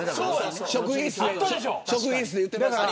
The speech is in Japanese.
職員室で言ってました。